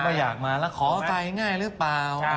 ก็อยากมาแล้วขอไกลง่ายหรือเปล่า